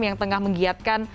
yang tengah menggiatkan